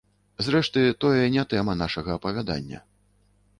Зрэшты, тое не тэма нашага апавядання.